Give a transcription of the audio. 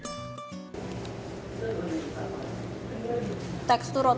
bagel yang diberikan oleh bagel ini